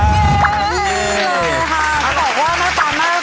มีเลยค่ะ